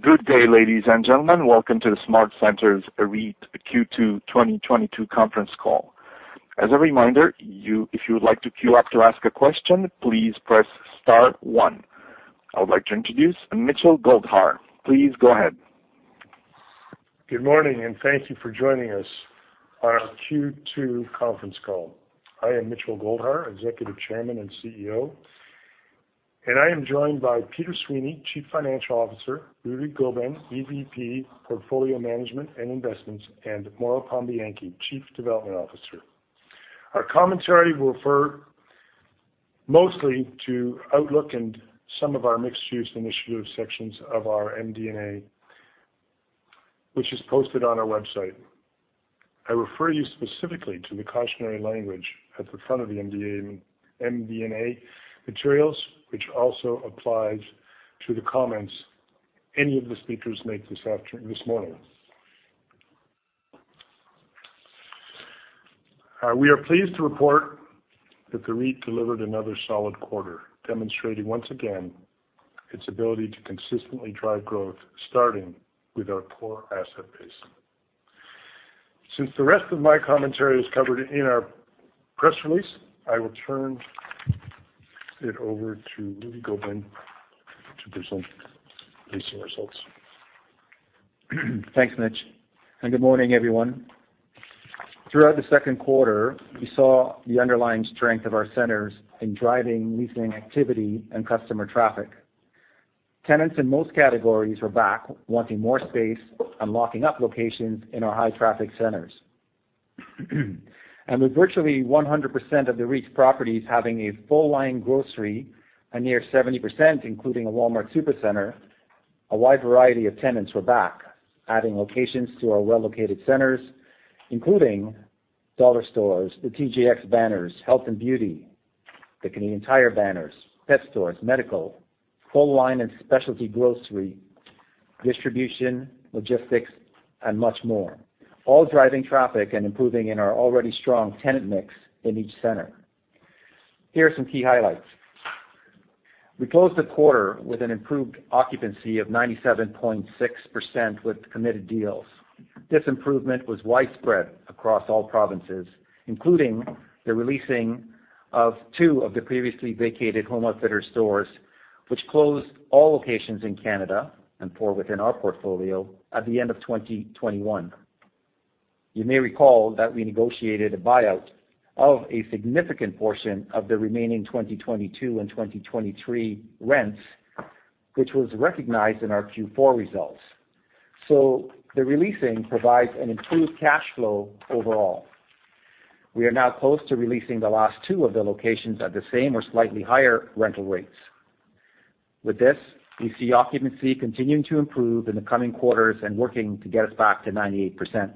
Good day, ladies and gentlemen. Welcome to the SmartCentres REIT Q2 2022 conference call. As a reminder, if you would like to queue up to ask a question, please press star one. I would like to introduce Mitchell Goldhar. Please go ahead. Good morning, and thank you for joining us on our Q2 conference call. I am Mitchell Goldhar, Executive Chairman and CEO, and I am joined by Peter Sweeney, CFO, Rudy Gobin, EVP, Portfolio Management and Investments, and Mauro Pambianchi, Chief Development Officer. Our commentary will refer mostly to outlook and some of our mixed-use initiative sections of our MD&A, which is posted on our website. I refer you specifically to the cautionary language at the front of the MD&A materials, which also applies to the comments any of the speakers make this morning. We are pleased to report that the REIT delivered another solid quarter, demonstrating, once again, its ability to consistently drive growth, starting with our core asset base. Since the rest of my commentary is covered in our press release, I will turn it over to Rudy Gobin to present leasing results. Thanks, Mitch, and good morning, everyone. Throughout the Q2, we saw the underlying strength of our centers in driving leasing activity and customer traffic. Tenants in most categories are back, wanting more space and locking up locations in our high-traffic centers. With virtually 100% of the REIT's properties having a full-line grocery, and near 70% including a Walmart Supercenter, a wide variety of tenants were back, adding locations to our well-located centers, including dollar stores, the TJX banners, health and beauty, the Canadian Tire banners, pet stores, medical, full-line and specialty grocery, distribution, logistics, and much more, all driving traffic and improving in our already strong tenant mix in each center. Here are some key highlights. We closed the quarter with an improved occupancy of 97.6% with committed deals. This improvement was widespread across all provinces, including the releasing of 2 of the previously vacated Home Outfitters stores, which closed all locations in Canada, and four within our portfolio, at the end of 2021. You may recall that we negotiated a buyout of a significant portion of the remaining 2022 and 2023 rents, which was recognized in our Q4 results. The releasing provides an improved cash flow overall. We are now close to releasing the last 2 of the locations at the same or slightly higher rental rates. With this, we see occupancy continuing to improve in the coming quarters and working to get us back to 98%.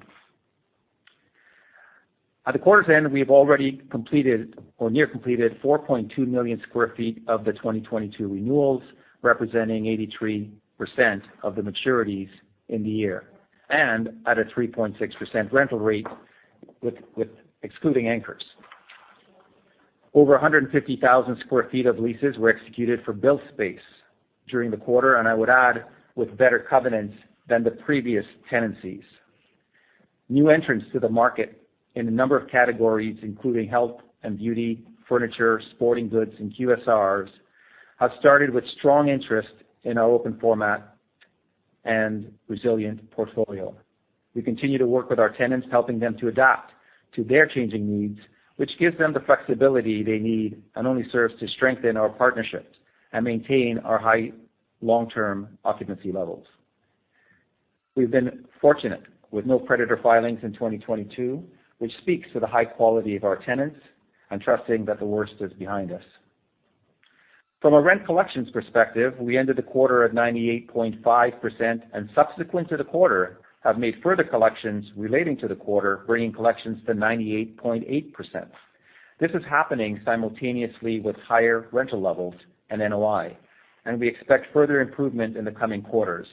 At the quarter's end, we have already completed or near completed 4.2 million sq ft of the 2022 renewals, representing 83% of the maturities in the year and at a 3.6% rental rate with excluding anchors. Over 150,000 sq ft of leases were executed for build space during the quarter, and I would add, with better covenants than the previous tenancies. New entrants to the market in a number of categories, including health and beauty, furniture, sporting goods, and QSRs, have started with strong interest in our open format and resilient portfolio. We continue to work with our tenants, helping them to adapt to their changing needs, which gives them the flexibility they need and only serves to strengthen our partnerships and maintain our high long-term occupancy levels. We've been fortunate with no creditor filings in 2022, which speaks to the high quality of our tenants and trusting that the worst is behind us. From a rent collections perspective, we ended the quarter at 98.5%, and subsequent to the quarter, have made further collections relating to the quarter, bringing collections to 98.8%. This is happening simultaneously with higher rental levels and NOI, and we expect further improvement in the coming quarters,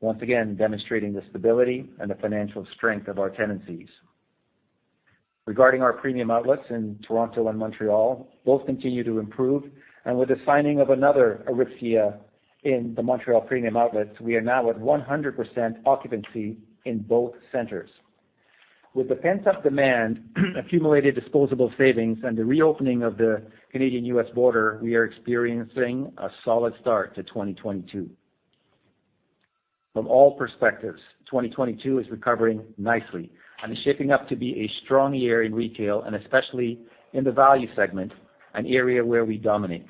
once again demonstrating the stability and the financial strength of our tenancies. Regarding our premium outlets in Toronto and Montreal, both continue to improve, and with the signing of another Aritzia in the Montreal Premium Outlets, we are now at 100% occupancy in both centers. With the pent-up demand, accumulated disposable savings, and the reopening of the Canadian-US border, we are experiencing a solid start to 2022. From all perspectives, 2022 is recovering nicely and is shaping up to be a strong year in retail and especially in the value segment, an area where we dominate.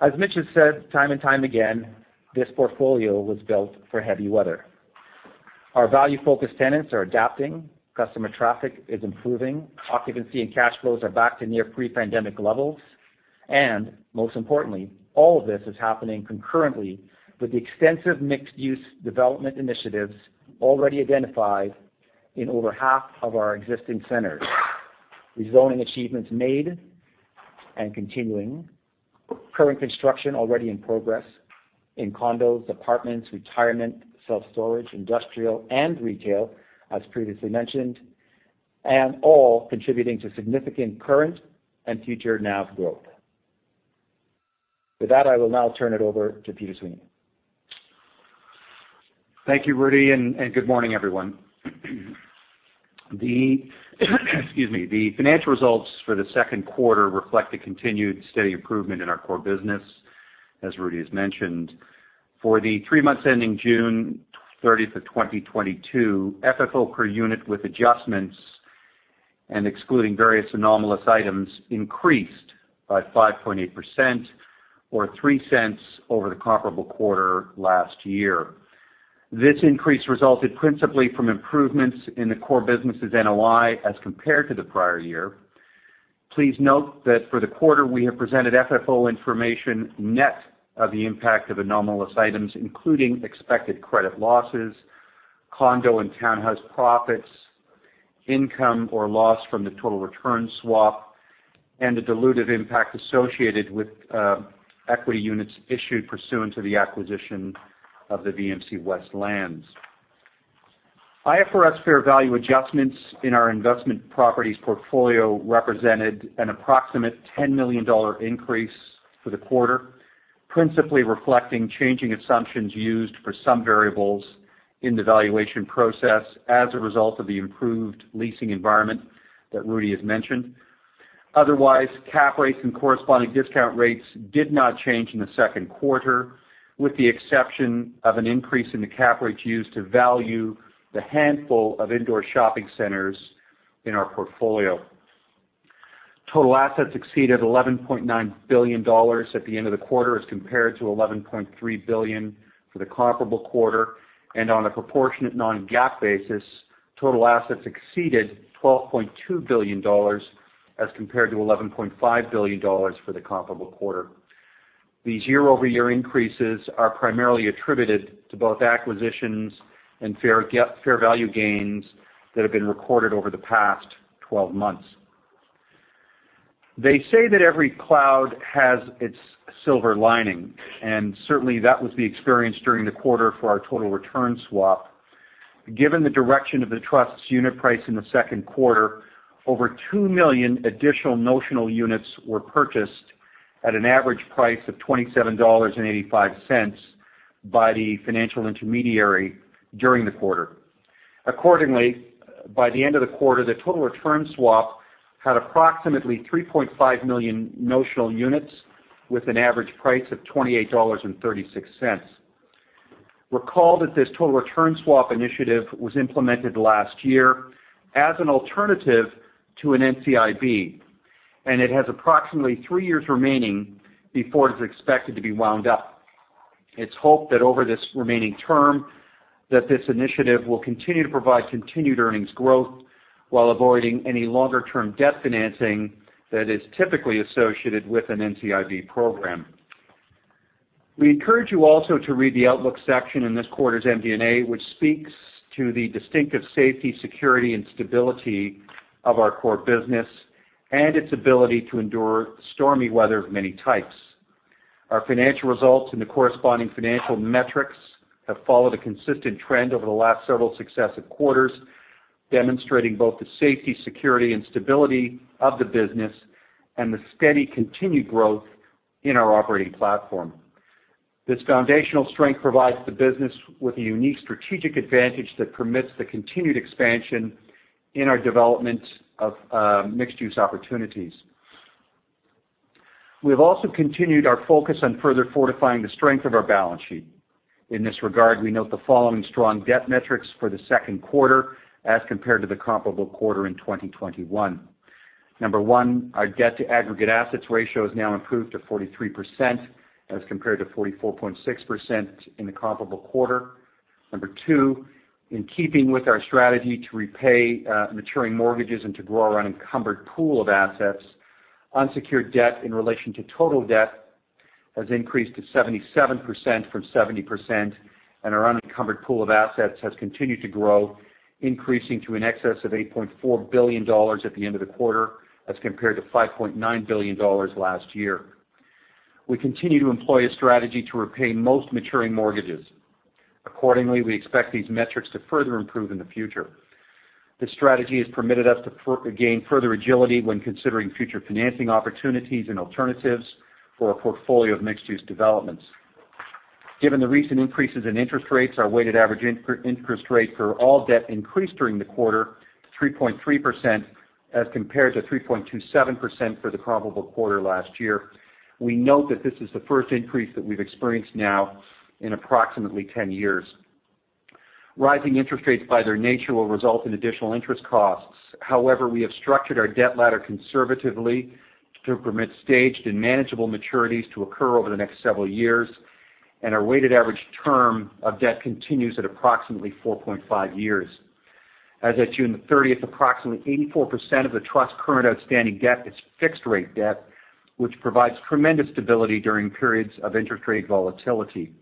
As Mitch has said time and time again, this portfolio was built for heavy weather. Our value-focused tenants are adapting, customer traffic is improving, occupancy and cash flows are back to near pre-pandemic levels, and most importantly, all of this is happening concurrently with the extensive mixed-use development initiatives already identified in over half of our existing centers, rezoning achievements made and continuing, current construction already in progress in condos, apartments, retirement, self-storage, industrial, and retail, as previously mentioned. All contributing to significant current and future NAV growth. With that, I will now turn it over to Peter Sweeney. Thank you, Rudy, and good morning, everyone. The financial results for the Q2 reflect the continued steady improvement in our core business, as Rudy has mentioned. For the three months ending June 30th of 2022, FFO per unit with adjustments and excluding various anomalous items increased by 5.8% or 0.03 over the comparable quarter last year. This increase resulted principally from improvements in the core business's NOI as compared to the prior year. Please note that for the quarter, we have presented FFO information net of the impact of anomalous items, including expected credit losses, condo and townhouse profits, income or loss from the total return swap, and the dilutive impact associated with equity units issued pursuant to the acquisition of the VMC West Lands. IFRS fair value adjustments in our investment properties portfolio represented an approximate 10 million dollar increase for the quarter, principally reflecting changing assumptions used for some variables in the valuation process as a result of the improved leasing environment that Rudy has mentioned. Otherwise, cap rates and corresponding discount rates did not change in the Q2, with the exception of an increase in the cap rates used to value the handful of indoor shopping centers in our portfolio. Total assets exceeded 11.9 billion dollars at the end of the quarter as compared to 11.3 billion for the comparable quarter. On a proportionate non-GAAP basis, total assets exceeded 12.2 billion dollars as compared to 11.5 billion dollars for the comparable quarter. These year-over-year increases are primarily attributed to both acquisitions and fair value gains that have been recorded over the past 12 months. They say that every cloud has its silver lining, and certainly, that was the experience during the quarter for our total return swap. Given the direction of the trust's unit price in the Q2, over 2 million additional notional units were purchased at an average price of 27.85 dollars by the financial intermediary during the quarter. Accordingly, by the end of the quarter, the total return swap had approximately 3.5 million notional units with an average price of 28.36 dollars. Recall that this total return swap initiative was implemented last year as an alternative to an NCIB, and it has approximately 3 years remaining before it is expected to be wound up. It's hoped that over this remaining term, that this initiative will continue to provide continued earnings growth while avoiding any longer-term debt financing that is typically associated with an NCIB program. We encourage you also to read the Outlook section in this quarter's MD&A, which speaks to the distinctive safety, security, and stability of our core business and its ability to endure stormy weather of many types. Our financial results and the corresponding financial metrics have followed a consistent trend over the last several successive quarters, demonstrating both the safety, security, and stability of the business and the steady continued growth in our operating platform. This foundational strength provides the business with a unique strategic advantage that permits the continued expansion in our development of mixed-use opportunities. We have also continued our focus on further fortifying the strength of our balance sheet. In this regard, we note the following strong debt metrics for the Q2 as compared to the comparable quarter in 2021. Number one, our debt to aggregate assets ratio has now improved to 43% as compared to 44.6% in the comparable quarter. Number two, in keeping with our strategy to repay maturing mortgages and to grow our unencumbered pool of assets, unsecured debt in relation to total debt has increased to 77% from 70%, and our unencumbered pool of assets has continued to grow, increasing to an excess of 8.4 billion dollars at the end of the quarter as compared to 5.9 billion dollars last year. We continue to employ a strategy to repay most maturing mortgages. Accordingly, we expect these metrics to further improve in the future. This strategy has permitted us to further gain further agility when considering future financing opportunities and alternatives for a portfolio of mixed-use developments. Given the recent increases in interest rates, our weighted average interest rate for all debt increased during the quarter, 3.3%, as compared to 3.27% for the comparable quarter last year. We note that this is the first increase that we've experienced now in approximately 10 years. Rising interest rates by their nature will result in additional interest costs. However, we have structured our debt ladder conservatively to permit staged and manageable maturities to occur over the next several years, and our weighted average term of debt continues at approximately 4.5 years. As at June 30, approximately 84% of the trust's current outstanding debt is fixed rate debt, which provides tremendous stability during periods of interest rate volatility.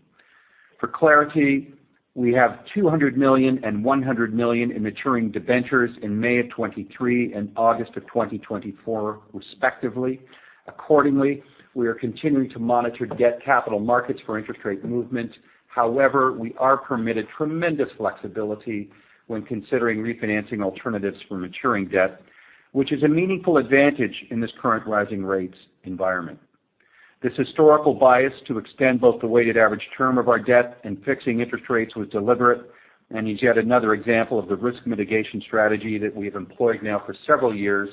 For clarity, we have 200 million and 100 million in maturing debentures in May 2023 and August 2024, respectively. Accordingly, we are continuing to monitor debt capital markets for interest rate movement. However, we are permitted tremendous flexibility when considering refinancing alternatives for maturing debt, which is a meaningful advantage in this current rising rates environment. This historical bias to extend both the weighted average term of our debt and fixing interest rates was deliberate, and is yet another example of the risk mitigation strategy that we have employed now for several years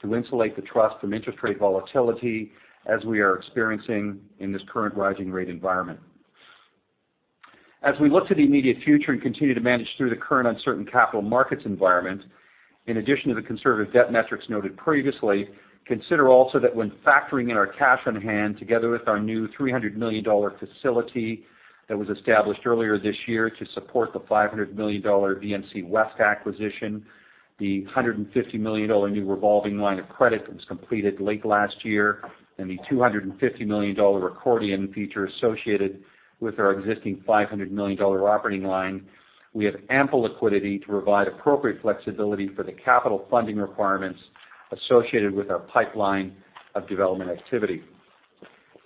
to insulate the trust from interest rate volatility as we are experiencing in this current rising rate environment. As we look to the immediate future and continue to manage through the current uncertain capital markets environment, in addition to the conservative debt metrics noted previously, consider also that when factoring in our cash on hand together with our new 300 million dollar facility that was established earlier this year to support the 500 million dollar VMC West acquisition, the 150 million dollar new revolving line of credit that was completed late last year, and the 250 million dollar accordion feature associated with our existing 500 million dollar operating line. We have ample liquidity to provide appropriate flexibility for the capital funding requirements associated with our pipeline of development activity.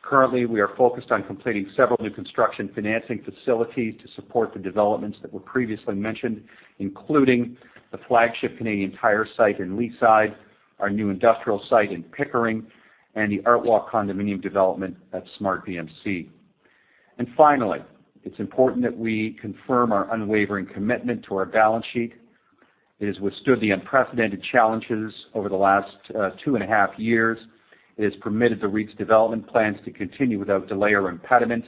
Currently, we are focused on completing several new construction financing facilities to support the developments that were previously mentioned, including the flagship Canadian Tire site in Leaside, our new industrial site in Pickering, and the Artwalk condominium development at SmartVMC. Finally, it's important that we confirm our unwavering commitment to our balance sheet. It has withstood the unprecedented challenges over the last two and a half years. It has permitted the REIT's development plans to continue without delay or impediment,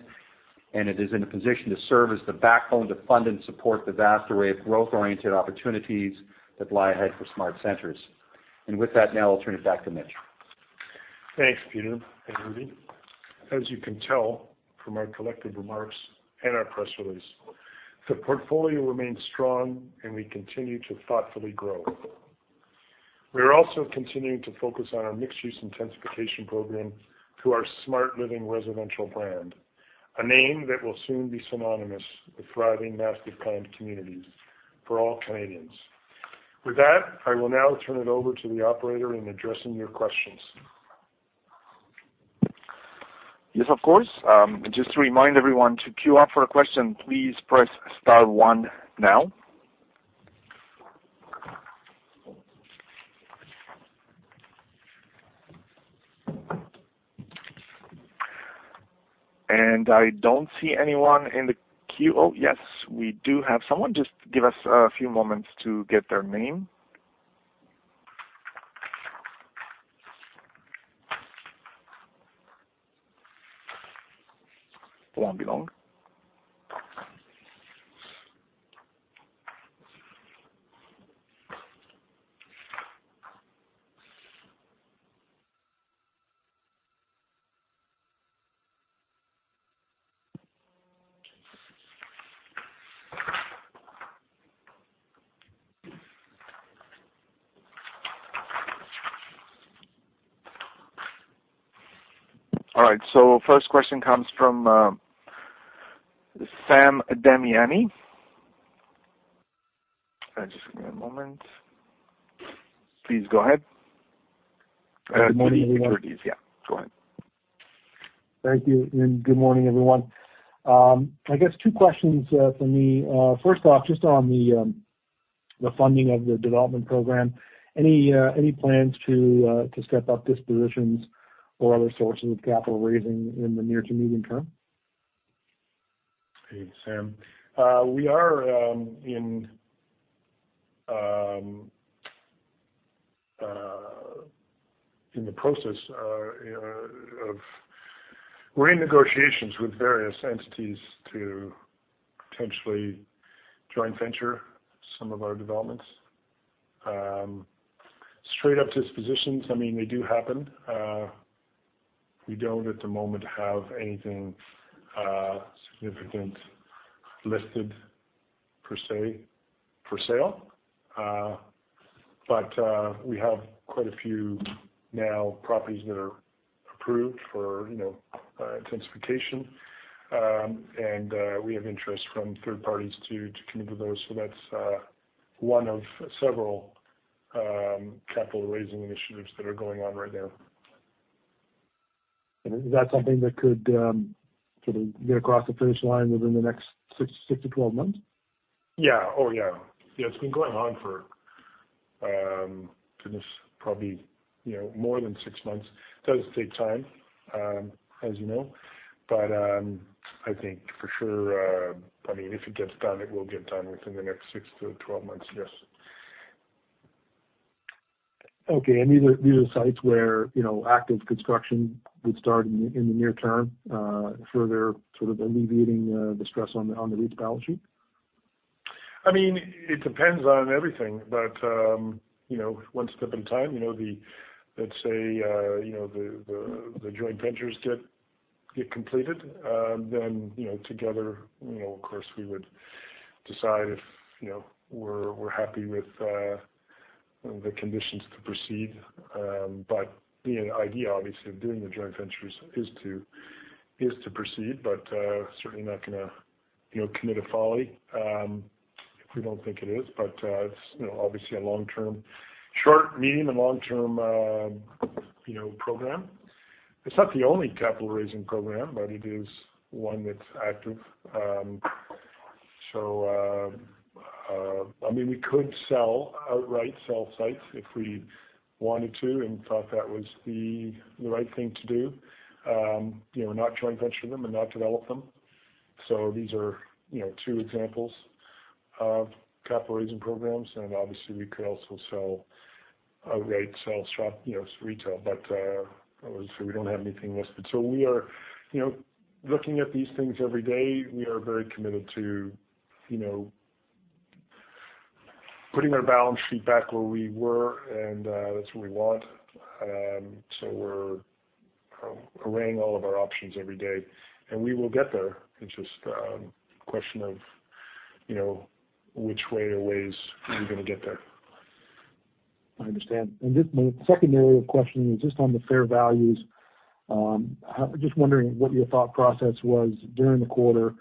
and it is in a position to serve as the backbone to fund and support the vast array of growth-oriented opportunities that lie ahead for SmartCentres. With that, now I'll turn it back to Mitch. Thanks, Peter and Rudy. As you can tell from our collective remarks and our press release, the portfolio remains strong and we continue to thoughtfully grow. We are also continuing to focus on our mixed-use intensification program through our SmartLiving residential brand, a name that will soon be synonymous with thriving, master-planned communities for all Canadians. With that, I will now turn it over to the operator in addressing your questions. Yes, of course. Just to remind everyone to queue up for a question, please press star one now. I don't see anyone in the queue. Oh, yes, we do have someone. Just give us a few moments to get their name. It won't be long. All right, first question comes from Sam Damiani. Just give me a moment. Please go ahead. Good morning, everyone. Yeah, go ahead. Thank you, and good morning, everyone. I guess two questions from me. First off, just on the funding of the development program. Any plans to step up dispositions or other sources of capital raising in the near to medium term? Hey, Sam. We are in the process of renegotiations with various entities to potentially joint venture some of our developments. Straight-up dispositions, I mean, they do happen. We don't at the moment have anything significant listed per se, for sale. We have quite a few new properties that are approved for, you know, intensification. We have interest from third parties to commit to those. That's one of several capital raising initiatives that are going on right now. Is that something that could, sort of get across the finish line within the next 6-12 months? Yeah, it's been going on for goodness, probably, you know, more than six months. It does take time, as you know. I think for sure, I mean, if it gets done, it will get done within the next six to 12 months, yes. Okay. These are sites where, you know, active construction would start in the near term, further sort of alleviating the stress on the REIT's balance sheet? I mean, it depends on everything. One step at a time, you know, let's say the joint ventures get completed. You know, together, of course, we would decide if, you know, we're happy with the conditions to proceed. The idea, obviously, of doing the joint ventures is to proceed, but certainly not gonna commit a folly, you know, if we don't think it is. It's, you know, obviously a short, medium, and long-term program. It's not the only capital raising program, but it is one that's active. I mean, we could sell outright, sell sites if we wanted to, and thought that was the right thing to do. You know, not joint venture them and not develop them. These are, you know, two examples of capital raising programs, and obviously we could also sell, outright sell shop, you know, retail. Obviously we don't have anything listed. We are, you know, looking at these things every day. We are very committed to, you know, putting our balance sheet back where we were and, that's what we want. We're arraying all of our options every day and we will get there. It's just, a question of, you know, which way or ways are we gonna get there. I understand. Just my second area of questioning is just on the fair values. Just wondering what your thought process was during the quarter,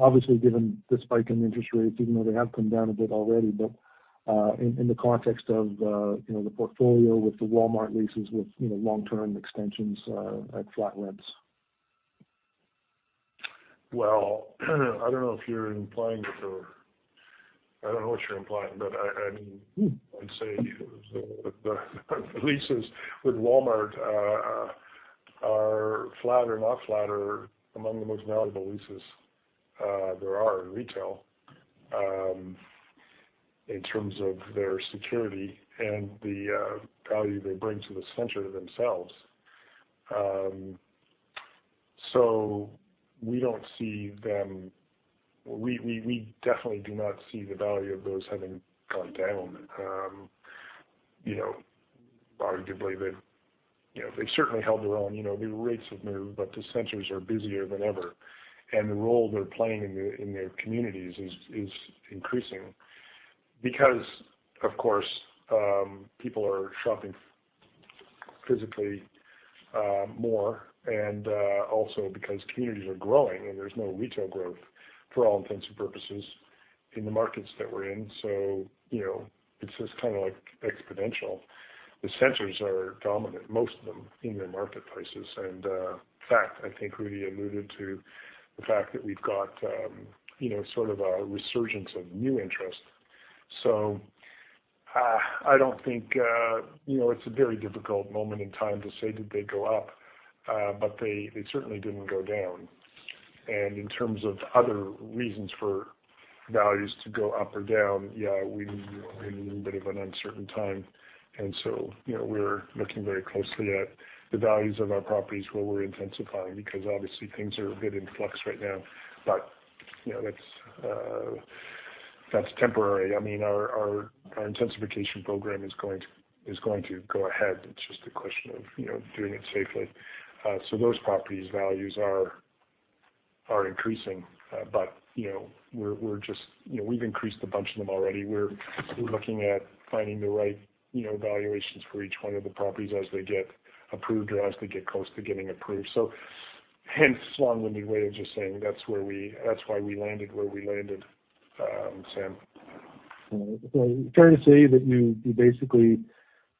obviously, given the spike in interest rates, even though they have come down a bit already. In the context of you know the portfolio with the Walmart leases with you know long-term extensions at flat rents. Well, I don't know if you're implying that or I don't know what you're implying, but I mean, I'd say the leases with Walmart are flat or not flat are among the most valuable leases there are in retail in terms of their security and the value they bring to the center themselves. We definitely do not see the value of those having gone down. You know, arguably, they've certainly held their own. You know, the rates have moved, but the centers are busier than ever. The role they're playing in their communities is increasing because of course people are shopping physically more and also because communities are growing and there's no retail growth for all intents and purposes in the markets that we're in. You know, it's just kind of like exponential. The centers are dominant, most of them in their marketplaces. In fact, I think Rudy alluded to the fact that we've got, you know, sort of a resurgence of new interest. I don't think, you know, it's a very difficult moment in time to say, did they go up? But they certainly didn't go down. In terms of other reasons for values to go up or down, yeah, we are in a little bit of an uncertain time. You know, we're looking very closely at the values of our properties where we're intensifying because obviously things are a bit in flux right now. You know, that's temporary. I mean, our intensification program is going to go ahead. It's just a question of, you know, doing it safely. Those properties values are increasing. You know, we're just, you know, we've increased a bunch of them already. We're looking at finding the right, you know, valuations for each one of the properties as they get approved or as they get close to getting approved. Hence, long-winded way of just saying that's why we landed where we landed, Sam. All right. Fair to say that you basically,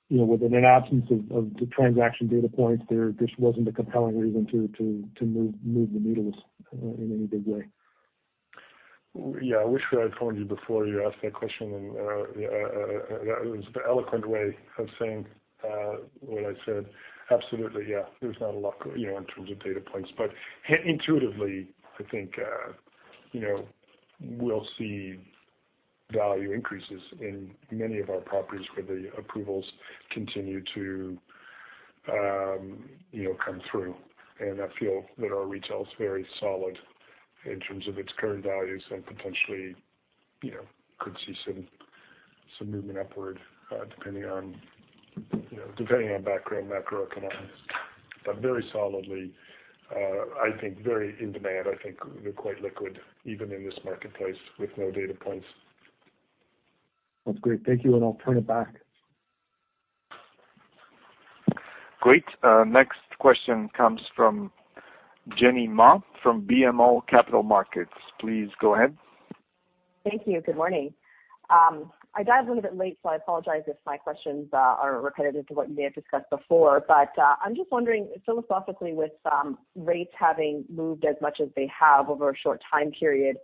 you know, within an absence of the transaction data points there just wasn't a compelling reason to move the needles in any big way. Yeah. I wish I'd phoned you before you asked that question. That was the eloquent way of saying what I said. Absolutely. Yeah. There's not a lot, you know, in terms of data points, but intuitively, I think, you know, we'll see value increases in many of our properties where the approvals continue to, you know, come through. I feel that our retail is very solid in terms of its current values and potentially, you know, could see some movement upward, depending on, you know, depending on background macroeconomics. But very solidly, I think very in demand. I think we're quite liquid even in this marketplace with no data points. That's great. Thank you. I'll turn it back. Great. Next question comes from Jenny Ma from BMO Capital Markets. Please go ahead. Thank you. Good morning. I dialed in a bit late, so I apologize if my questions are repetitive to what you may have discussed before. I'm just wondering philosophically with rates having moved as much as they have over a short time period,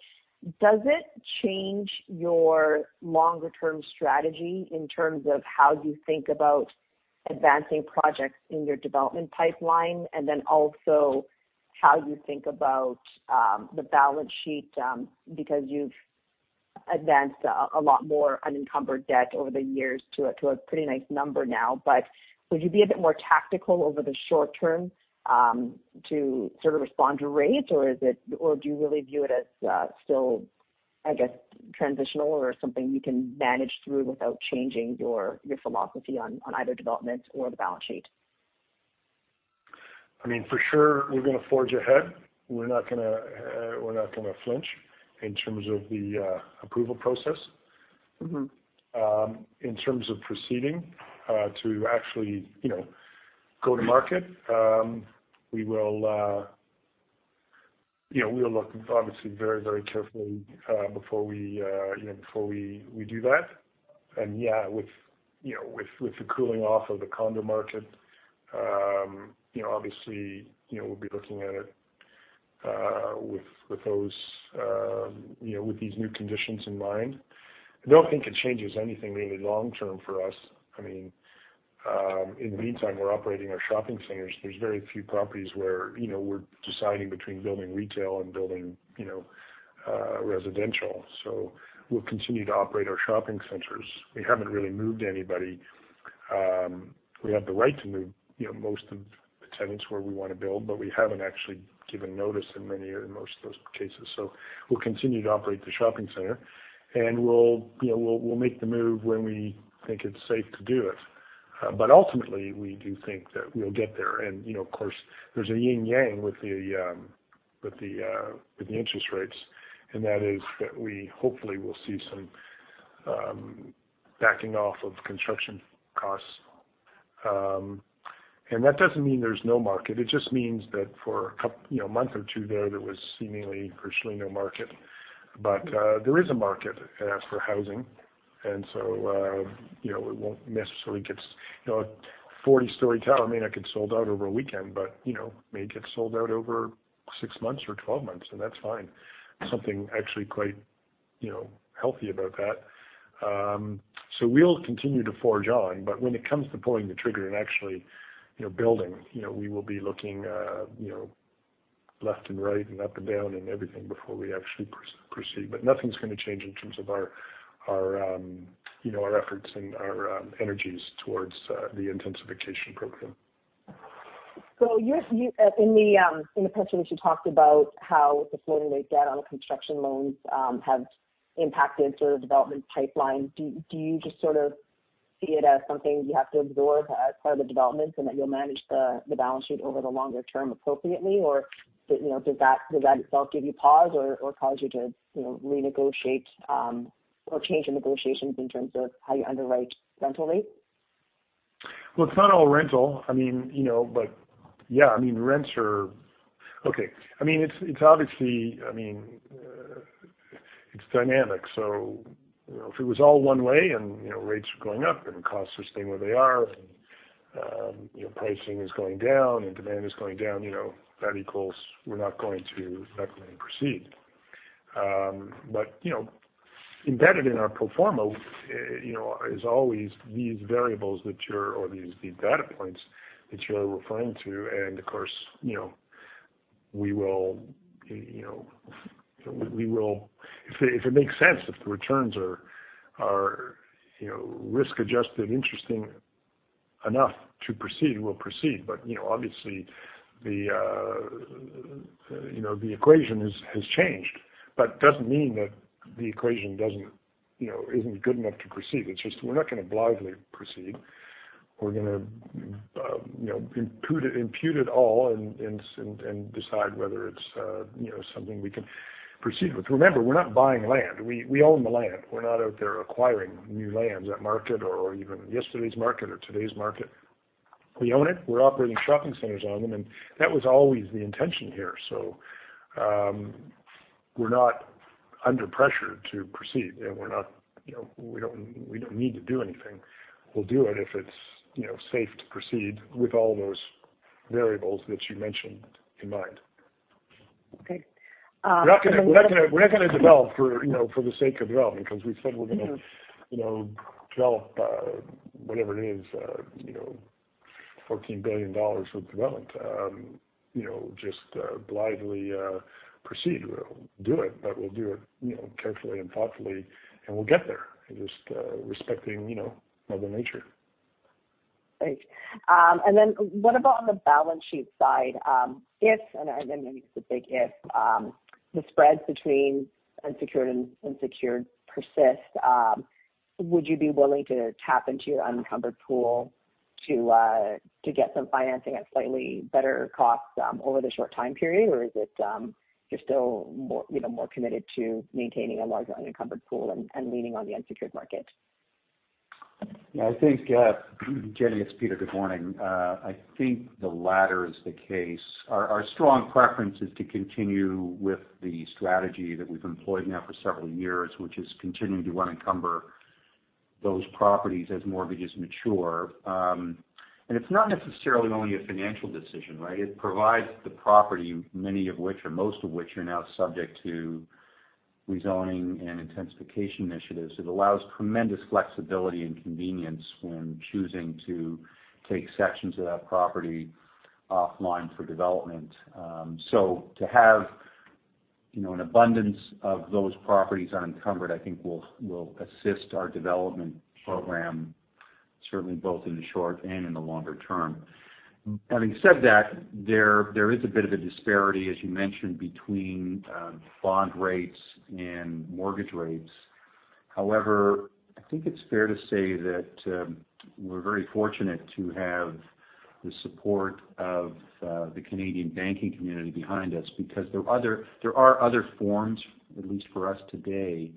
does it change your longer term strategy in terms of how you think about advancing projects in your development pipeline? And then also how you think about the balance sheet, because you've advanced a lot more unencumbered debt over the years to a pretty nice number now. Would you be a bit more tactical over the short term, to sort of respond to rates, or is it, or do you really view it as still, I guess, transitional or something you can manage through without changing your philosophy on either development or the balance sheet? I mean, for sure we're gonna forge ahead. We're not gonna flinch in terms of the approval process. Mm-hmm. In terms of proceeding to actually, you know, go to market, we will, you know, we'll look obviously very, very carefully before we do that. Yeah, with the cooling off of the condo market, you know, obviously, you know, we'll be looking at it with these new conditions in mind. I don't think it changes anything really long term for us. I mean, in the meantime, we're operating our shopping centers. There's very few properties where, you know, we're deciding between building retail and building, you know, residential. We'll continue to operate our shopping centers. We haven't really moved anybody. We have the right to move, you know, most of the tenants where we wanna build, but we haven't actually given notice in many or in most of those cases. We'll continue to operate the shopping center, and we'll, you know, make the move when we think it's safe to do it. Ultimately, we do think that we'll get there. You know, of course, there's a yin yang with the interest rates, and that is that we hopefully will see some backing off of construction costs. That doesn't mean there's no market. It just means that for a couple you know, a month or two there was seemingly virtually no market. There is a market as for housing. You know, we won't necessarily get. You know, a 40-story tower may not get sold out over a weekend, but, you know, may get sold out over 6 months or 12 months, and that's fine. Something actually quite, you know, healthy about that. So we'll continue to forge on, but when it comes to pulling the trigger and actually, you know, building, you know, we will be looking, you know, left and right and up and down and everything before we actually proceed. But nothing's gonna change in terms of our, you know, our efforts and our energies towards the intensification program. In the presentation, you talked about how the floating rate debt on construction loans have impacted sort of development pipeline. Do you just sort of see it as something you have to absorb as part of the development and that you'll manage the balance sheet over the longer term appropriately? Or, you know, does that itself give you pause or cause you to, you know, renegotiate or change the negotiations in terms of how you underwrite rental rate? Well, it's not all rental. I mean, you know, but yeah. I mean, rents are okay. I mean, it's obviously, I mean, it's dynamic. You know, if it was all one way and, you know, rates are going up and costs are staying where they are and, you know, pricing is going down and demand is going down, you know, that equals we're not going to definitely proceed. Embedded in our pro forma is always these variables or these data points that you're referring to. Of course, you know, we will if it makes sense, if the returns are risk-adjusted interesting enough to proceed, we'll proceed. You know, obviously, the equation has changed, but doesn't mean that the equation doesn't, you know, isn't good enough to proceed. It's just we're not gonna blindly proceed. We're gonna, you know, impute it all and decide whether it's, you know, something we can proceed with. Remember, we're not buying land. We own the land. We're not out there acquiring new lands at market or even yesterday's market or today's market. We own it. We're operating shopping centers on them, and that was always the intention here. We're not under pressure to proceed, and we don't need to do anything. We'll do it if it's, you know, safe to proceed with all those variables that you mentioned in mind. Okay. We're not gonna develop for, you know, for the sake of developing because we said we're gonna. Mm-hmm. You know, develop whatever it is, you know, 14 billion dollars of development. You know, just blindly proceed. We'll do it, but we'll do it, you know, carefully and thoughtfully, and we'll get there. Just respecting, you know, mother nature. Great. Then what about on the balance sheet side? If, and I know it's a big if, the spreads between unsecured and secured persist, would you be willing to tap into your unencumbered pool to get some financing at slightly better cost over the short time period? Or is it you're still more, you know, more committed to maintaining a large unencumbered pool and leaning on the unsecured market? Yeah, I think, Jenny, it's Peter. Good morning. I think the latter is the case. Our strong preference is to continue with the strategy that we've employed now for several years, which is continuing to unencumber those properties as mortgages mature. It's not necessarily only a financial decision, right? It provides the property, many of which or most of which are now subject to rezoning and intensification initiatives. It allows tremendous flexibility and convenience when choosing to take sections of that property offline for development. To have, you know, an abundance of those properties unencumbered, I think will assist our development program, certainly both in the short and in the longer term. Having said that, there is a bit of a disparity, as you mentioned, between bond rates and mortgage rates. However, I think it's fair to say that we're very fortunate to have the support of the Canadian banking community behind us because there are other forms, at least for us today,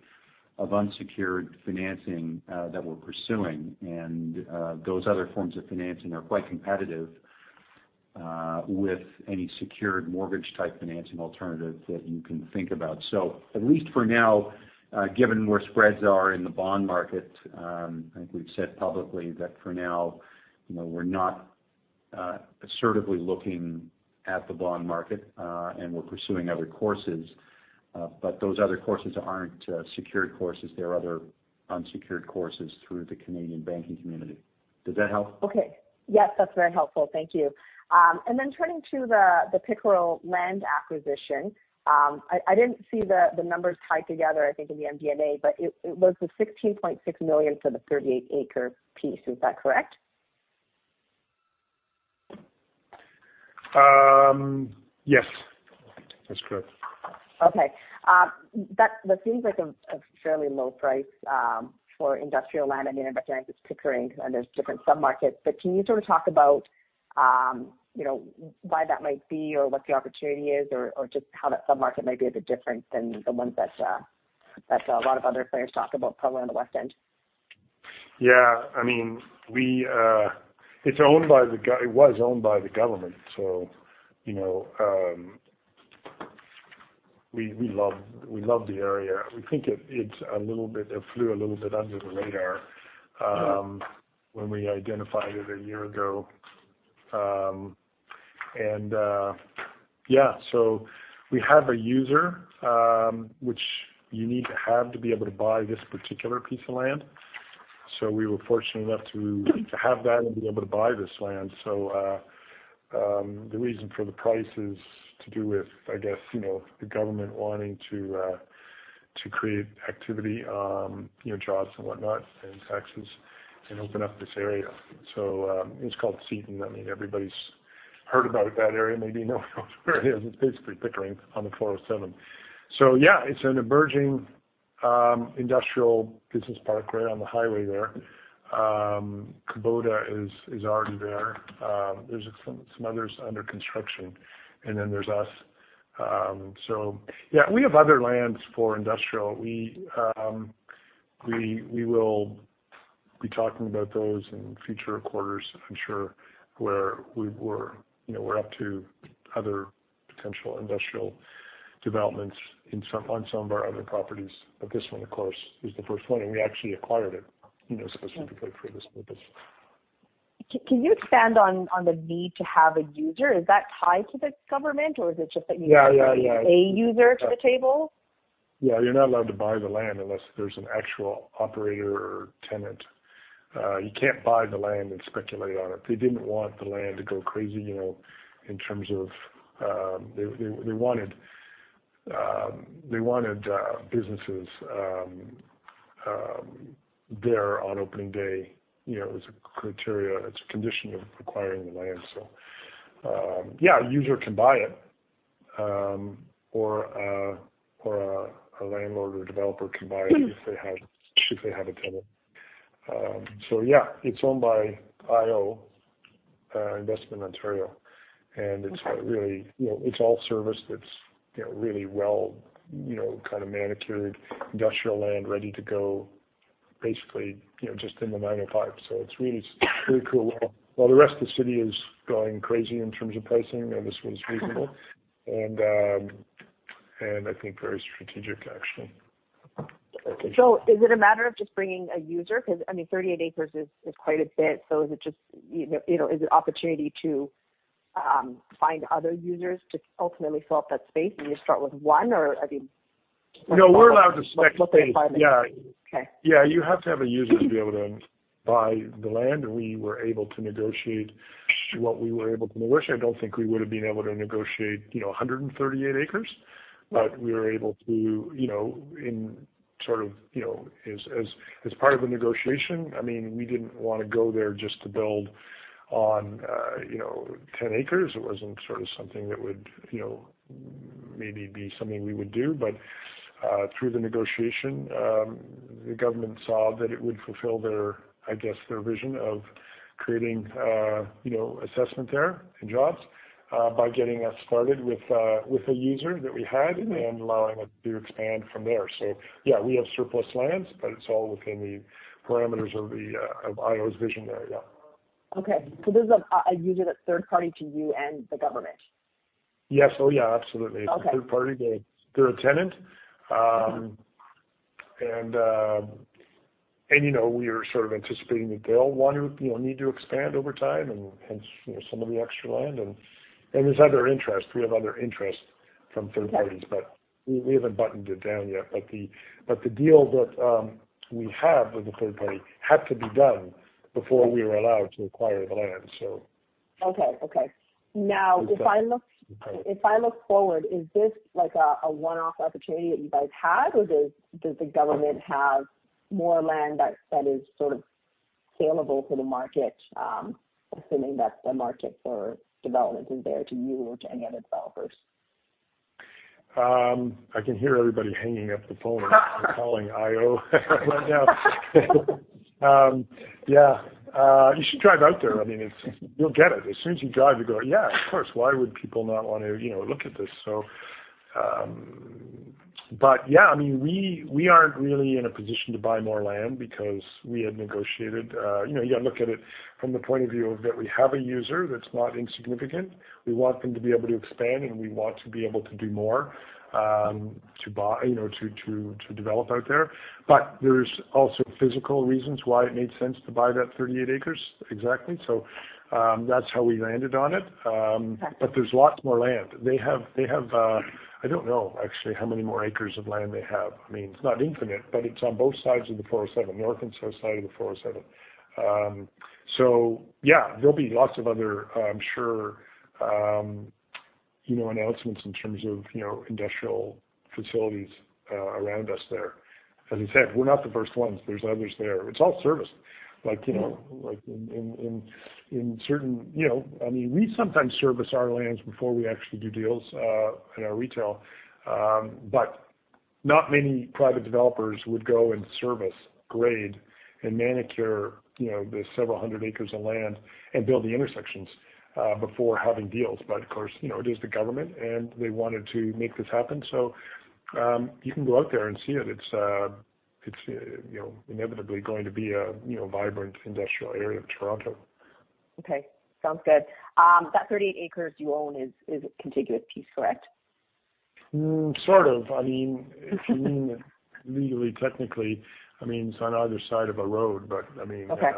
of unsecured financing that we're pursuing. Those other forms of financing are quite competitive with any secured mortgage-type financing alternative that you can think about. At least for now, given where spreads are in the bond market, I think we've said publicly that for now, you know, we're not Aggressively looking at the bond market, and we're pursuing other sources. Those other sources aren't secured sources. They're other unsecured sources through the Canadian banking community. Does that help? Okay. Yes, that's very helpful. Thank you. Turning to the Pickering land acquisition, I didn't see the numbers tied together, I think in the MD&A, but it was the 16.6 million for the 38-acre piece. Is that correct? Yes, that's correct. Okay. That seems like a fairly low price for industrial land. I mean, I know it's Pickering, and there's different submarkets. Can you sort of talk about, you know, why that might be or what the opportunity is or just how that submarket might be a bit different than the ones that a lot of other players talk about probably on the west end? Yeah. I mean, it's owned by the government, so you know, we love the area. We think it's a little bit, it flew a little bit under the radar. Yeah When we identified it a year ago. We have a user, which you need to have to be able to buy this particular piece of land. We were fortunate enough to have that and be able to buy this land. The reason for the price is to do with, I guess, you know, the government wanting to create activity, you know, jobs and whatnot, and taxes, and open up this area. It's called Seaton. I mean, everybody's heard about that area. Maybe no one knows where it is. It's basically Pickering on the 407. Yeah, it's an emerging industrial business park right on the highway there. Kubota is already there. There's some others under construction, and then there's us. Yeah, we have other lands for industrial. We will be talking about those in future quarters, I'm sure, where we're up to other potential industrial developments on some of our other properties. This one of course is the first one, and we actually acquired it, you know, specifically for this purpose. Can you expand on the need to have a user? Is that tied to the government or is it just that you Yeah, yeah. Need to bring a user to the table? Yeah, you're not allowed to buy the land unless there's an actual operator or tenant. You can't buy the land and speculate on it. They didn't want the land to go crazy, you know, in terms of. They wanted businesses there on opening day. You know, it was a criteria. It's a condition of acquiring the land. Yeah, a user can buy it, or a landlord or developer can buy it if they had a tenant. Yeah, it's owned by IO, Infrastructure Ontario, and it's got really, you know, it's all serviced. It's, you know, really well, you know, kind of manicured industrial land ready to go basically, you know, just in the 905. It's really cool. While the rest of the city is going crazy in terms of pricing, you know, this one's reasonable and I think very strategic actually. Is it a matter of just bringing a user? Because, I mean, 38 acres is quite a bit, so is it just, you know, is it opportunity to find other users to ultimately fill up that space and you start with one, or I mean No, we're allowed to spec things. What's the requirement? Yeah. Okay. Yeah, you have to have a user to be able to buy the land. We were able to negotiate what we were able to negotiate. I don't think we would've been able to negotiate, you know, 138 acres. Right. We were able to, you know, in sort of, you know, as part of the negotiation, I mean, we didn't wanna go there just to build on 10 acres. It wasn't sort of something that would, you know, maybe be something we would do. But through the negotiation, the government saw that it would fulfill their, I guess, their vision of creating a settlement there and jobs by getting us started with a user that we had and allowing us to expand from there. Yeah, we have surplus lands, but it's all within the parameters of IO's vision there. Yeah. Okay. This is a user that's third party to you and the government? Yes. Oh, yeah, absolutely. Okay. It's a third party. They're a tenant. You know, we are sort of anticipating that they'll want to, you know, need to expand over time and hence, you know, some of the extra land. There's other interest. We have other interest from third parties, but we haven't buttoned it down yet. The deal that we have with the third party had to be done before we were allowed to acquire the land so. Okay. Okay. It's done. Now if I look. Okay. If I look forward, is this like a one-off opportunity that you guys had, or does the government have more land that is sort of saleable to the market, assuming that the market for development is there to you or to any other developers? I can hear everybody hanging up the phone and calling IO right now. Yeah. You should drive out there. I mean, it's. You'll get it. As soon as you drive, you go, "Yeah, of course. Why would people not wanna, you know, look at this?" Yeah, I mean, we aren't really in a position to buy more land because we had negotiated, you know, you look at it from the point of view of that we have a user that's not insignificant. We want them to be able to expand, and we want to be able to do more, to buy you know, to develop out there. There's also physical reasons why it made sense to buy that 38 acres exactly. That's how we landed on it. There's lots more land. I don't know actually how many more acres of land they have. I mean, it's not infinite, but it's on both sides of the 407, the north and south side of the 407. Yeah, there'll be lots of other, I'm sure, you know, announcements in terms of, you know, industrial facilities, around us there. As I said, we're not the first ones. There's others there. It's all serviced, like, you know, in certain. You know, I mean, we sometimes service our lands before we actually do deals in our retail. Not many private developers would go and service, grade, and manicure, you know, the several hundred acres of land and build the intersections before having deals. Of course, you know, it is the government, and they wanted to make this happen. You can go out there and see it. It's, you know, inevitably going to be a, you know, vibrant industrial area of Toronto. Okay. Sounds good. That 38 acres you own is a contiguous piece, correct? Sort of. I mean, if you mean legally, technically, I mean, it's on either side of a road. But, I mean. Okay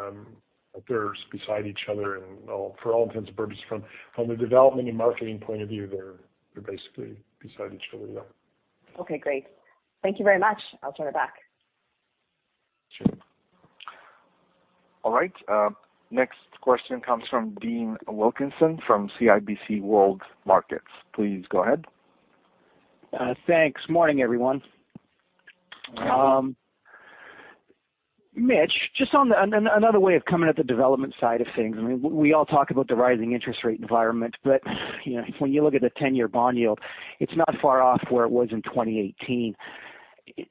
They're beside each other and all. For all intents and purposes, from a development and marketing point of view, they're basically beside each other, yeah. Okay, great. Thank you very much. I'll turn it back. Sure. All right, next question comes from Dean Wilkinson from CIBC World Markets. Please go ahead. Thanks. Morning, everyone. Morning. Mitch, just on another way of coming at the development side of things. I mean, we all talk about the rising interest rate environment, but you know, when you look at the ten-year bond yield, it's not far off where it was in 2018.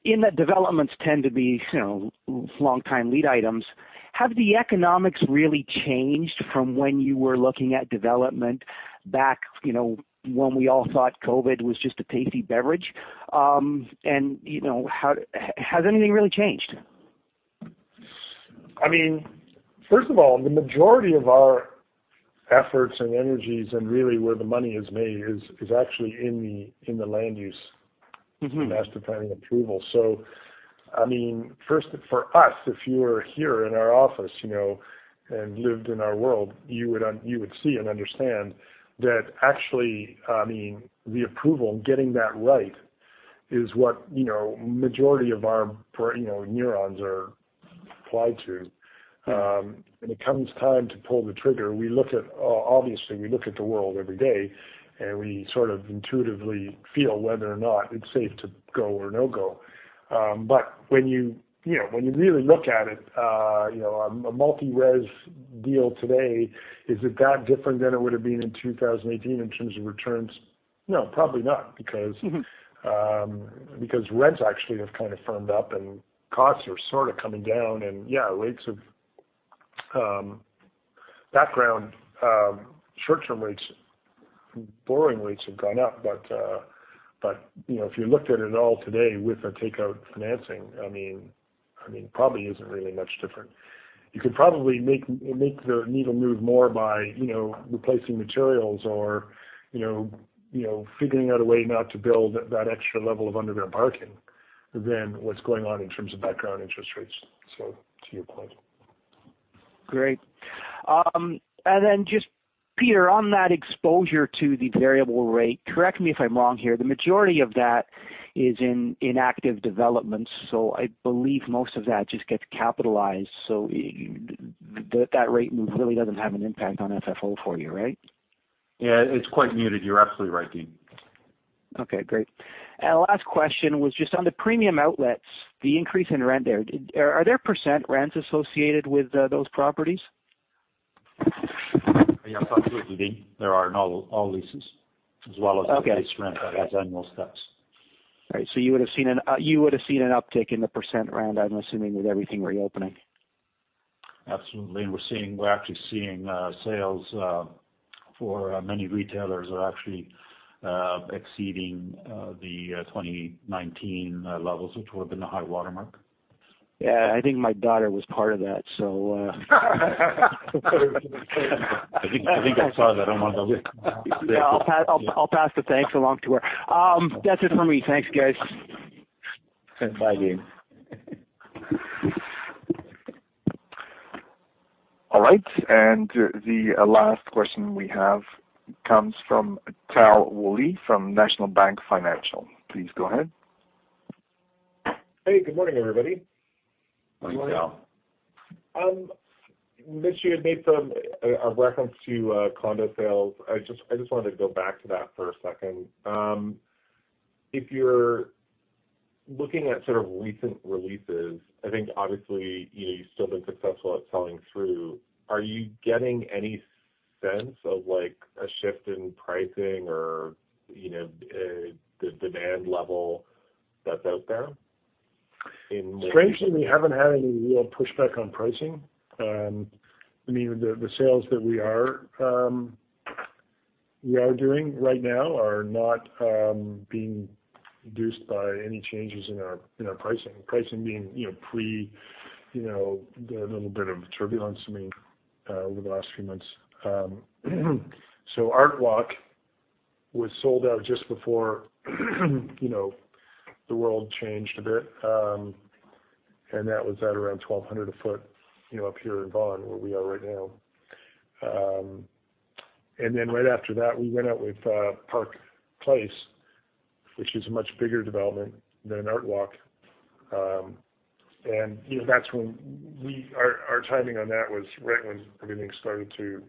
And the developments tend to be, you know, long time lead items. Have the economics really changed from when you were looking at development back, you know, when we all thought COVID was just a tasty beverage? You know, how has anything really changed? I mean, first of all, the majority of our efforts and energies and really where the money is made is actually in the land use. Mm-hmm Master planning approval. I mean, first, for us, if you were here in our office, you know, and lived in our world, you would see and understand that actually, I mean, the approval and getting that right is what, you know, majority of our, you know, neurons are applied to. When it comes time to pull the trigger, obviously, we look at the world every day, and we sort of intuitively feel whether or not it's safe to go or no go. But when you really look at it, you know, a multi-res deal today, is it that different than it would have been in 2018 in terms of returns? No, probably not. Mm-hmm. Because rents actually have kind of firmed up and costs are sort of coming down. Yeah, short-term rates, borrowing rates have gone up. You know, if you looked at it all today with a takeout financing, I mean, probably isn't really much different. You could probably make the needle move more by, you know, replacing materials or you know, figuring out a way not to build that extra level of underground parking than what's going on in terms of background interest rates, so to your point. Great. Just Peter, on that exposure to the variable rate, correct me if I'm wrong here, the majority of that is in inactive developments. I believe most of that just gets capitalized. You, that rate move really doesn't have an impact on FFO for you, right? Yeah, it's quite muted. You're absolutely right, Dean. Okay, great. Last question was just on the premium outlets, the increase in rent there, are there % rents associated with those properties? Yeah, absolutely, Dean. There are, in all leases as well as. Okay the base rent that has annual steps. All right. You would have seen an uptick in the percentage rent, I'm assuming, with everything reopening. Absolutely. We're actually seeing sales for many retailers are actually exceeding the 2019 levels, which would have been the high watermark. Yeah. I think my daughter was part of that, so, I think I saw that on one of the. Yeah. I'll pass the thanks along to her. That's it for me. Thanks, guys. Bye, Dean. All right. The last question we have comes from Tal Woolley from National Bank Financial. Please go ahead. Hey, good morning, everybody. Morning, Tal. Mitch, you had made some reference to condo sales. I just wanted to go back to that for a second. If you're looking at sort of recent releases, I think obviously, you know, you've still been successful at selling through. Are you getting any sense of like a shift in pricing or, you know, the demand level that's out there in more? Strangely, we haven't had any real pushback on pricing. I mean, the sales that we are doing right now are not being reduced by any changes in our pricing. Pricing being, you know, pre, you know, the little bit of turbulence, I mean, over the last few months. Artwalk was sold out just before, you know, the world changed a bit, and that was at around 1,200 a foot, you know, up here in Vaughan, where we are right now. Right after that, we went out with Park Place, which is a much bigger development than Artwalk. That's when our timing on that was right when everything started to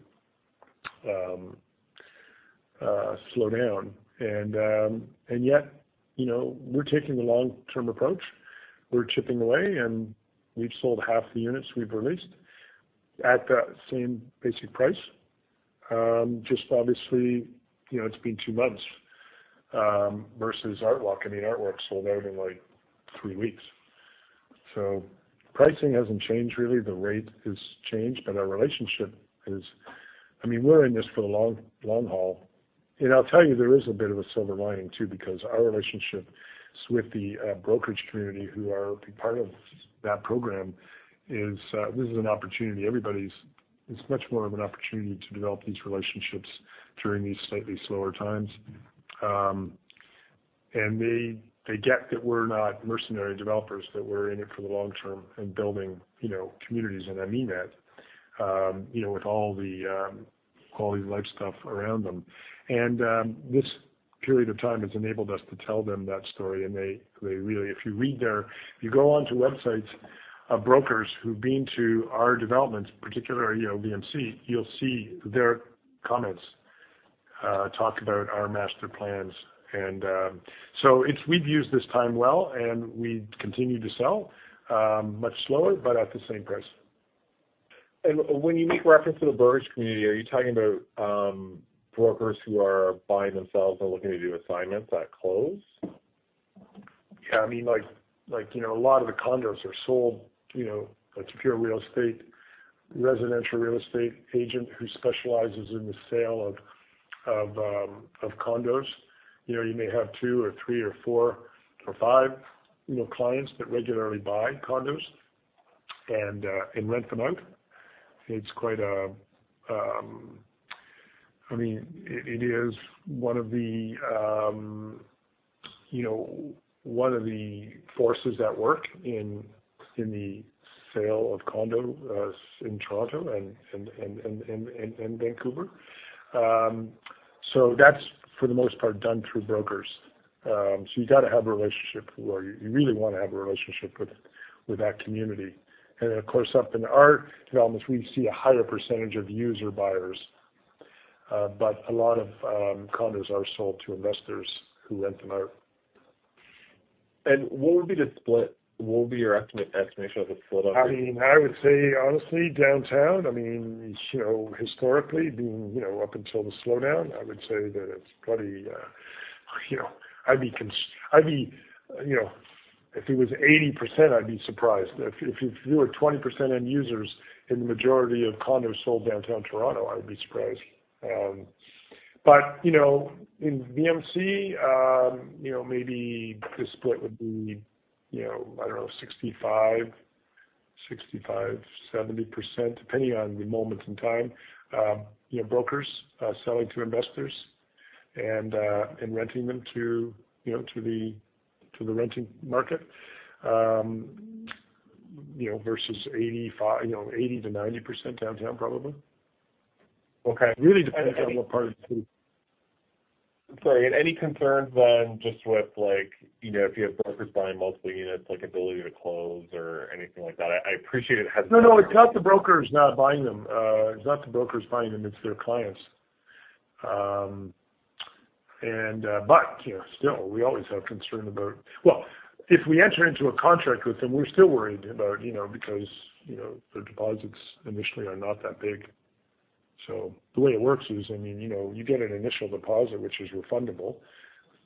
slow down. Yet, you know, we're taking the long-term approach. We're chipping away, and we've sold half the units we've released at that same basic price. Just obviously, you know, it's been two months versus Artwalk. I mean, Artwalk sold out in, like, three weeks. Pricing hasn't changed really. The rate has changed, but our relationship is. I mean, we're in this for the long, long haul. I'll tell you, there is a bit of a silver lining too, because our relationships with the brokerage community who are a part of that program is, this is an opportunity. It's much more of an opportunity to develop these relationships during these slightly slower times. They get that we're not mercenary developers, that we're in it for the long term and building, you know, communities, and I mean that, you know, with all the quality life stuff around them. This period of time has enabled us to tell them that story, and they really. If you go onto websites of brokers who've been to our developments, particularly, you know, VMC, you'll see their comments talk about our master plans. We've used this time well, and we continue to sell much slower, but at the same price. When you make reference to the brokerage community, are you talking about, brokers who are buying themselves or looking to do assignments at close? Yeah, I mean, you know, a lot of the condos are sold, you know, a pure real estate, residential real estate agent who specializes in the sale of condos. You know, you may have two or three or four or five, you know, clients that regularly buy condos and rent them out. I mean, it is one of the, you know, one of the forces at work in the sale of condos in Toronto and Vancouver. That's, for the most part, done through brokers. You gotta have a relationship, or you really wanna have a relationship with that community. Of course, up in our developments, we see a higher percentage of user buyers, but a lot of condos are sold to investors who rent them out. What would be the split? What would be your estimate, estimation of the split up? I mean, I would say honestly, downtown, I mean, you know, historically being, you know, up until the slowdown, I would say that it's probably, you know, I'd be, you know. If it was 80%, I'd be surprised. If you were 20% end users in the majority of condos sold downtown Toronto, I would be surprised. But, you know, in VMC, you know, maybe the split would be, you know, I don't know, 65-70%, depending on the moment in time, you know, brokers selling to investors and renting them to, you know, to the renting market, you know, versus 80-90% downtown probably. Okay. It really depends on what part of the Sorry. Any concerns then just with like, you know, if you have brokers buying multiple units, like ability to close or anything like that? I appreciate it has No, no, it's not the brokers not buying them. It's not the brokers buying them, it's their clients. You know, still, we always have concern about. Well, if we enter into a contract with them, we're still worried about, you know, because, you know, their deposits initially are not that big. The way it works is, I mean, you know, you get an initial deposit, which is refundable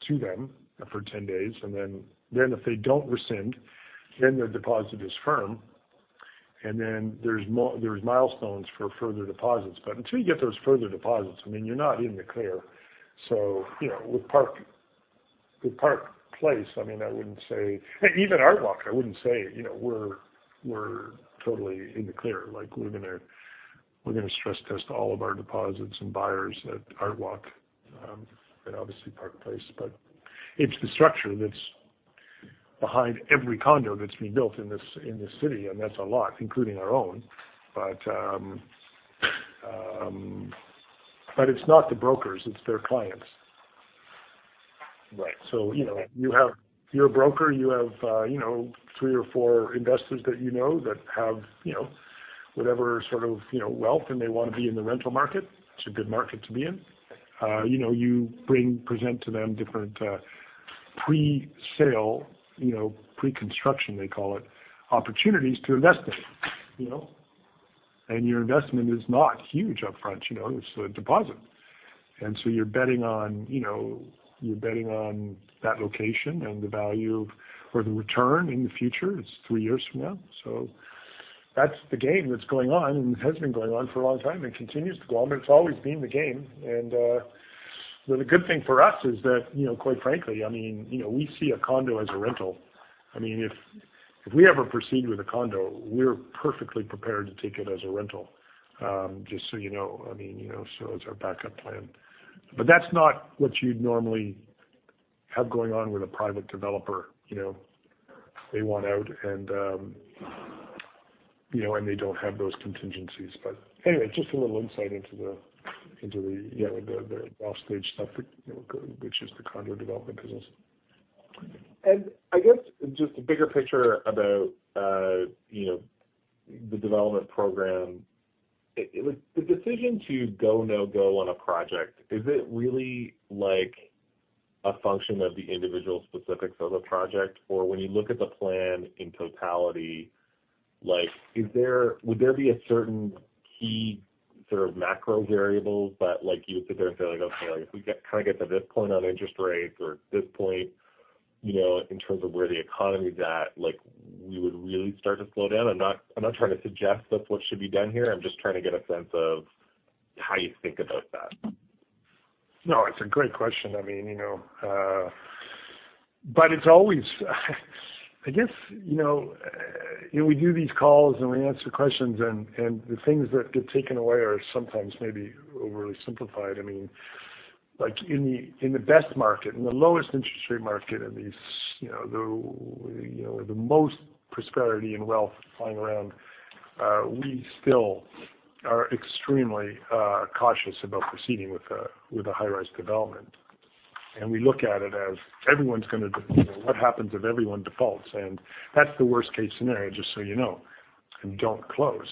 to them for 10 days, and then if they don't rescind, then their deposit is firm. Then there's milestones for further deposits. But until you get those further deposits, I mean, you're not in the clear. You know, with Park Place, I mean, I wouldn't say. Even Artwalk, I wouldn't say, you know, we're totally in the clear. Like, we're gonna stress test all of our deposits and buyers at Artwalk, and obviously Park Place. It's the structure that's behind every condo that's being built in this city, and that's a lot, including our own. It's not the brokers, it's their clients. Right. You know, you're a broker, you have three or four investors that you know that have whatever sort of wealth, and they wanna be in the rental market. It's a good market to be in. You know, you present to them different presale, you know, pre-construction, they call it, opportunities to invest in, you know? Your investment is not huge upfront, you know. It's a deposit. You're betting on that location and the value or the return in the future. It's three years from now. That's the game that's going on and has been going on for a long time and continues to go on. It's always been the game. The good thing for us is that, you know, quite frankly, I mean, you know, we see a condo as a rental. I mean, if we ever proceed with a condo, we're perfectly prepared to take it as a rental. Just so you know, I mean, you know, so it's our backup plan. But that's not what you'd normally have going on with a private developer. You know, they want out and, you know, and they don't have those contingencies. But anyway, just a little insight into the, you know, the off stage stuff that, you know, which is the condo development business. I guess just a bigger picture about, you know, the development program. The decision to go, no-go on a project, is it really like a function of the individual specifics of the project? Or when you look at the plan in totality, like, would there be a certain key sort of macro variables that, like, you would sit there and say, like, okay, like, if we kind of get to this point on interest rates or this point, you know, in terms of where the economy is at, like, we would really start to slow down? I'm not trying to suggest that's what should be done here. I'm just trying to get a sense of how you think about that. No, it's a great question. I mean, you know, but it's always. I guess, you know, we do these calls, and we answer questions, and the things that get taken away are sometimes maybe overly simplified. I mean, like, in the best market, in the lowest interest rate market, in these, you know, the most prosperity and wealth flying around, we still are extremely cautious about proceeding with a high-rise development. We look at it as everyone's gonna, you know, what happens if everyone defaults? That's the worst-case scenario, just so you know, and don't close.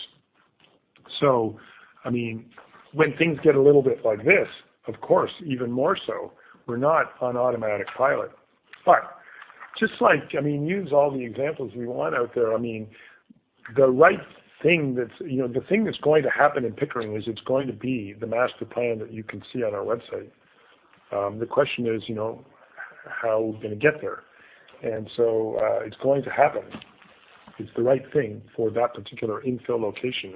I mean, when things get a little bit like this, of course, even more so, we're not on automatic pilot. Just like, I mean, use all the examples we want out there. I mean, the right thing that's going to happen in Pickering is it's going to be the master plan that you can see on our website. The question is, you know, how are we gonna get there? It's going to happen. It's the right thing for that particular infill location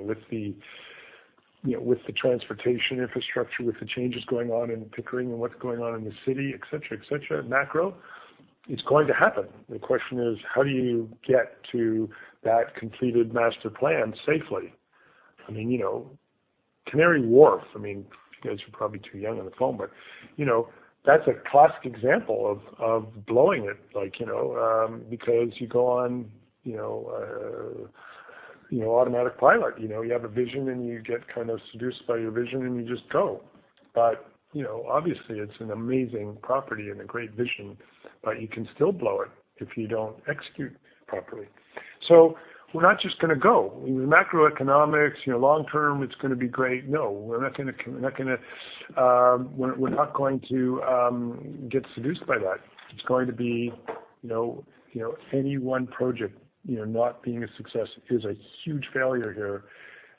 with the transportation infrastructure, with the changes going on in Pickering and what's going on in the city, et cetera, et cetera, macro. It's going to happen. The question is, how do you get to that completed master plan safely? I mean, you know, Canary Wharf. I mean, you guys are probably too young on the phone, but you know, that's a classic example of blowing it like you know, because you go on you know automatic pilot. You know, you have a vision, and you get kind of seduced by your vision, and you just go. You know, obviously, it's an amazing property and a great vision, but you can still blow it if you don't execute properly. We're not just gonna go. In the macroeconomics, you know, long term, it's gonna be great. No, we're not going to get seduced by that. It's going to be, you know, any one project, you know, not being a success is a huge failure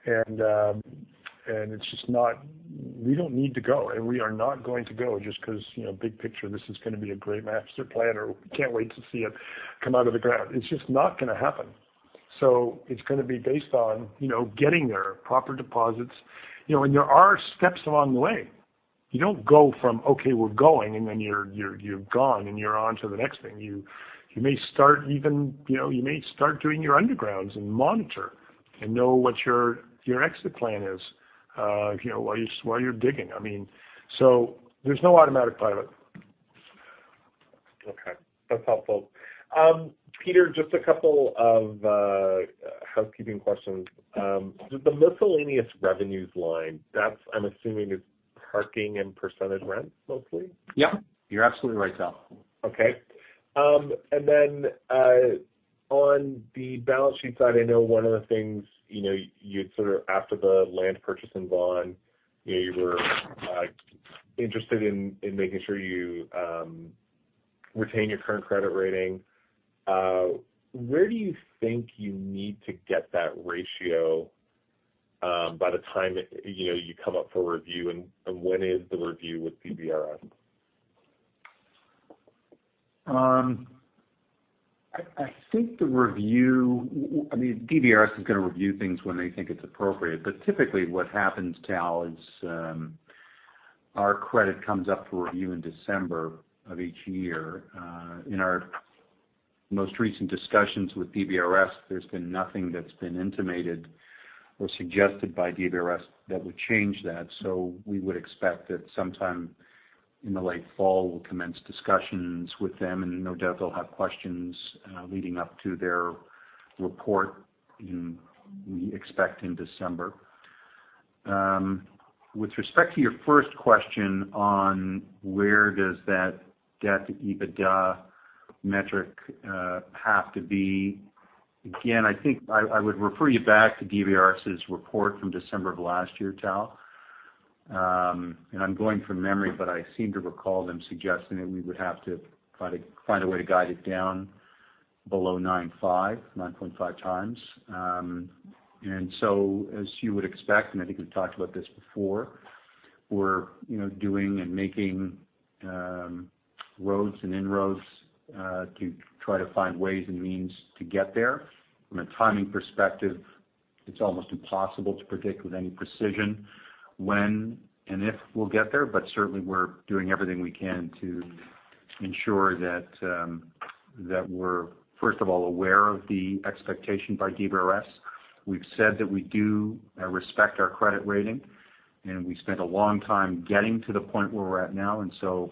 here. It's just not. We don't need to go, and we are not going to go just because, you know, big picture, this is gonna be a great master plan, or we can't wait to see it come out of the ground. It's just not gonna happen. It's gonna be based on, you know, getting there, proper deposits. You know, there are steps along the way. You don't go from, okay, we're going, and then you're gone, and you're on to the next thing. You may start even, you know, doing your undergrounds and monitor and know what your exit plan is, you know, while you're digging. I mean. There's no automatic pilot. Okay. That's helpful. Peter, just a couple of housekeeping questions. The miscellaneous revenues line, that's, I'm assuming, is parking and percentage rent mostly? Yeah. You're absolutely right, Tal. Okay. On the balance sheet side, I know one of the things, you know, you'd sort of after the land purchase in Vaughan, you know, you were interested in making sure you retain your current credit rating. Where do you think you need to get that ratio by the time, you know, you come up for review? And when is the review with DBRS? I mean, DBRS is gonna review things when they think it's appropriate. Typically, what happens, Tal, is our credit comes up for review in December of each year. In our most recent discussions with DBRS, there's been nothing that's been intimated or suggested by DBRS that would change that. We would expect that sometime in the late fall, we'll commence discussions with them, and no doubt they'll have questions leading up to their report, we expect in December. With respect to your first question on where does that debt-to-EBITDA metric have to be? Again, I think I would refer you back to DBRS's report from December of last year, Tal. I'm going from memory, but I seem to recall them suggesting that we would have to try to find a way to guide it down below 9.5x. As you would expect, I think we've talked about this before. We're, you know, doing and making roads and inroads to try to find ways and means to get there. From a timing perspective, it's almost impossible to predict with any precision when and if we'll get there. Certainly, we're doing everything we can to ensure that we're, first of all, aware of the expectation by DBRS. We've said that we do respect our credit rating, and we spent a long time getting to the point where we're at now, so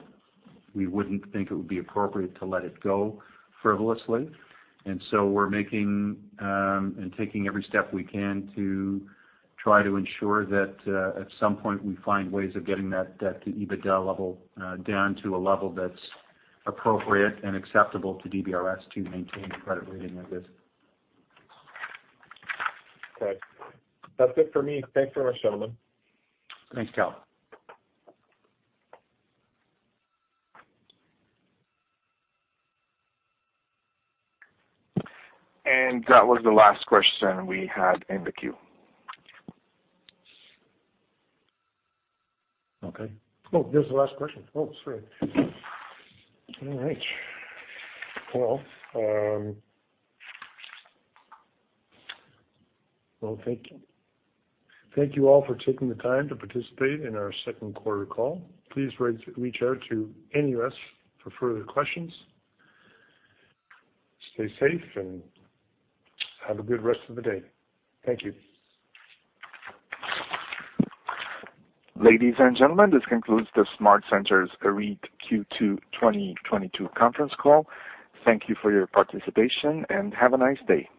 we wouldn't think it would be appropriate to let it go frivolously. We're making and taking every step we can to try to ensure that at some point we find ways of getting that to EBITDA level down to a level that's appropriate and acceptable to DBRS to maintain a credit rating like this. Okay. That's it for me. Thanks very much, gentlemen. Thanks, Tal. That was the last question we had in the queue. Okay. Oh, there's the last question. Oh, sorry. All right. Well, thank you all for taking the time to participate in our Q2 call. Please reach out to any of us for further questions. Stay safe and have a good rest of the day. Thank you. Ladies and gentlemen, this concludes the SmartCentres REIT Q2 2022 conference call. Thank you for your participation, and have a nice day.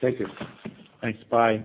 Thank you. Thanks. Bye.